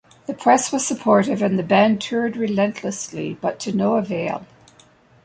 The press was supportive and the band toured relentlessly, but to no avail.